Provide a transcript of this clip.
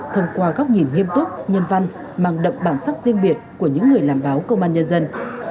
thông qua góc nhìn nghiêm túc nhân văn mang đậm bản sắc riêng biệt của những người làm báo công an nhân dân